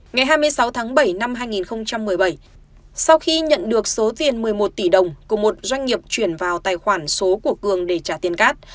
ngày hai mươi sáu tháng bảy năm hai nghìn một mươi bảy sau khi nhận được số tiền một mươi một tỷ đồng của một doanh nghiệp chuyển vào tài khoản số của cường để trả tiền cát